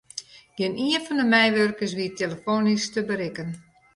Gjinien fan de meiwurkers wie telefoanysk te berikken.